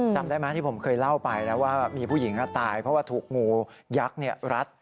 จำได้ไหมที่ผมเคยเล่าไปนะว่ามีผู้หญิงตายเพราะว่าถูกงูยักษ์รัด